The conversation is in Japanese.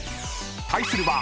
対するは］